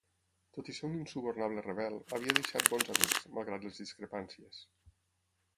Tot i ser un insubornable rebel, havia deixat bons amics, malgrat les discrepàncies.